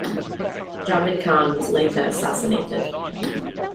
Javid Khan was later assassinated.